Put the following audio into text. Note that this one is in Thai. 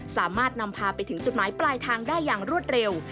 สามารถนำพาไปถึงจุดหมายปลายทางได้อย่างรวดเร็ว